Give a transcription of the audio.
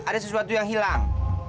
ada sesuatu yang hilang